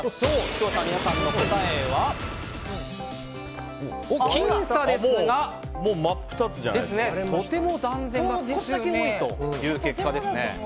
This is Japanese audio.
視聴者の皆さんの答えは僅差ですがとても・断然が少しだけ多いという結果ですね。